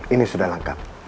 ini sudah lengkap